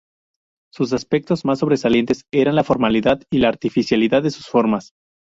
Sus aspectos más sobresalientes eran la formalidad y artificialidad de sus formas.